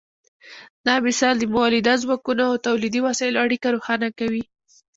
دا مثال د مؤلده ځواکونو او تولیدي وسایلو اړیکه روښانه کوي.